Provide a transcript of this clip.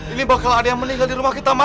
ini bakal ada yang meninggal di rumah kita